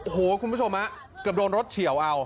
โอ้โหคุณผู้ชมเกือบโดนรถเฉียวเอา